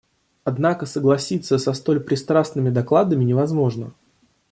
Однако согласиться со столь пристрастными докладами невозможно.